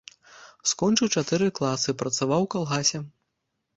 Скончыў чатыры класы, працаваў у калгасе.